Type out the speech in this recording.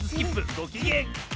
ごきげん。